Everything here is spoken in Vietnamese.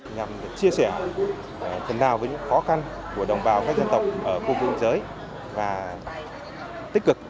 nhằm chia sẻ phần nào với những khó khăn của đồng bào các dân tộc ở khu vực biên giới và tích cực